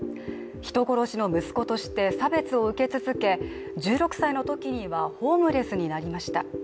人殺しの息子として差別を受け続け、１６歳のときにはホームレスになりました。